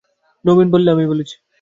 নবীন বললে, আমিই বলেছি।